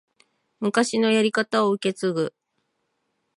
昔のやり方を受け継ぐ